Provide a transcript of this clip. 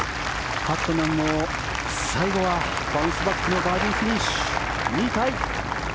パットナムも最後はバウンスバックのバーディーフィニッシュ。